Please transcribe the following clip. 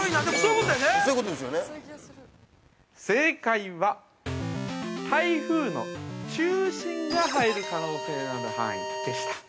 ◆正解は、台風の中心が入る可能性のある範囲でした。